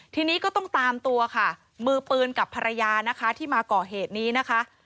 ทีนี้ก็ต้องตามตัวค่ะมือปืนกับภรรยานะคะที่มาก่อเหตุนี้นะคะ